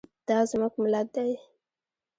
دا زموږ ملت ده